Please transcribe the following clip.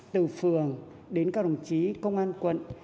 từ phường đến các đồng chí công an quận